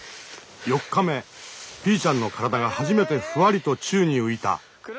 「４日目ピーちゃんの体が初めてふわりと宙に浮いた」。